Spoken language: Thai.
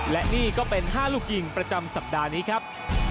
และนี่ก็เป็น๕ลูกยิงประจำสัปดาห์นี้ครับ